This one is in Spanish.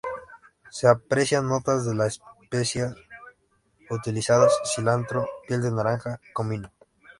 Se aprecian notas de las especias utilizadas: cilantro, piel de naranja, comino.